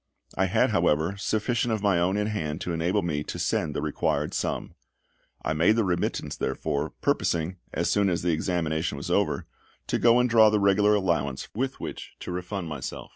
I had, however, sufficient of my own in hand to enable me to send the required sum. I made the remittance therefore, purposing, as soon as the examination was over, to go and draw the regular allowance with which to refund myself.